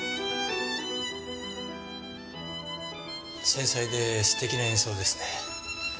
繊細で素敵な演奏ですね。